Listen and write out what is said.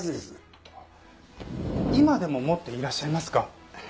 今でも持っていらっしゃいますか？